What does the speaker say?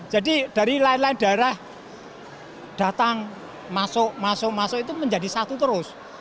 jadi dari lain lain daerah datang masuk masuk itu menjadi satu terus